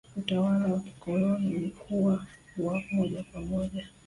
utawala wa kikoloni ulikuwa wa moja kwa moja